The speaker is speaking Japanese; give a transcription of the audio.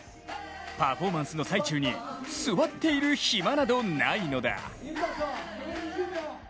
パフォーマンスの最中に座っている暇などないのだ。